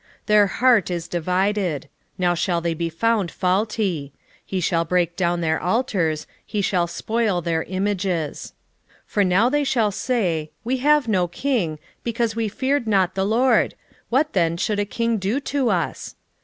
10:2 Their heart is divided; now shall they be found faulty: he shall break down their altars, he shall spoil their images. 10:3 For now they shall say, We have no king, because we feared not the LORD; what then should a king do to us?